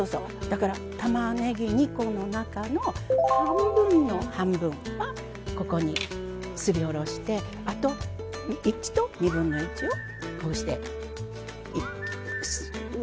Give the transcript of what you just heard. だからたまねぎ２コの中の半分の半分はここにすりおろしてあと１と２分の１をこうして薄く切ってあるのね。